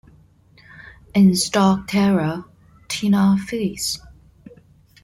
In stark terror, Tina flees.